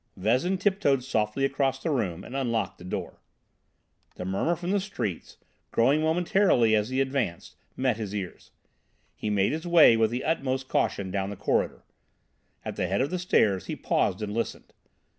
Vezin tiptoed softly across the room and unlocked the door. The murmur from the streets, growing momentarily as he advanced, met his ears. He made his way with the utmost caution down the corridor. At the head of the stairs he paused and listened.